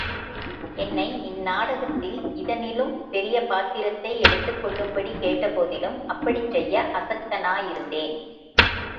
என்னை இந் நாடகத்தில் இதனிலும் பெரிய பாத்திரத்தை எடுத்துக் கொள்ளும்படி கேட்டபோதிலும் அப்படிச் செய்ய அசக்தனாயிருந்தேன்.